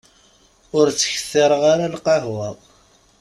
Ur ttkettireɣ ara lqahwa.